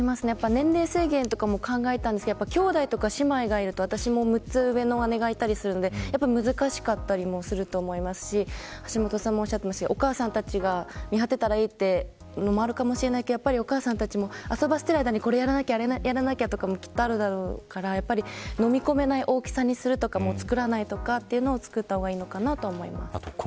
年齢制限とかも考えたんですけど兄弟とか姉妹とかがいるとやっぱり難しかったりもすると思いますし橋下さんもおっしゃってましたけどお母さんたちが見張ってたらいいというのもあるかもしれないけどお母さんたちに遊ばせている間にこれやらなきゃいけないこともきっとあるだろうからのみ込まない大きさにするとか作らないとかというのを作った方がいいのかと思います。